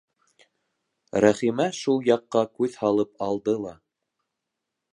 Рәхимә шул яҡҡа күҙ һалып алды ла: